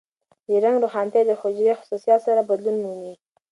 د رنګ روښانتیا د حجرې حساسیت سره بدلون مومي.